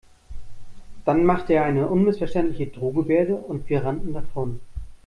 Dann machte er eine unmissverständliche Drohgebärde und wir rannten davon.